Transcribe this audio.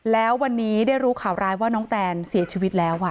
แล้ววันนี้ได้รู้ข่าวร้ายว่าน้องแตนเสียชีวิตแล้ว